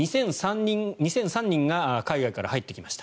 ２００３人が海外から入ってきました。